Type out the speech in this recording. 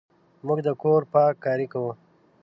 موږ د کور پاککاري کوو.